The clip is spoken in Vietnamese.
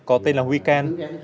có tên là wecan